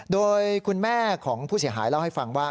โดยคุณแม่ของผู้เสียหายเล่าให้ฟังว่า